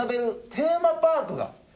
テーマパーク？